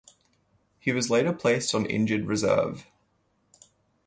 He was later placed on injured reserve.